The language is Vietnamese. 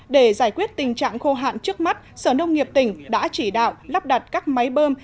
để giải quyết tình trạng khô hạn trước mắt sở nông nghiệp tỉnh đã chỉ đạo lắp đặt các máy bơm